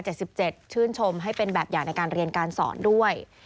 ชื่นชมให้เป็นแบบอย่างในการเรียนการสอนด้วย